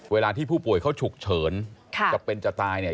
เวลาที่ผู้ป่วยเขาฉุกเฉินจะเป็นจะตายเนี่ย